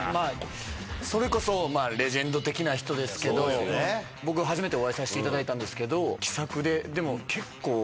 それこそレジェンド的な人ですけど僕初めてお会いさせていただいたんですけど。